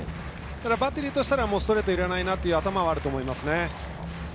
バッテリーとしたらストレートはいらないなという頭があると思いますね。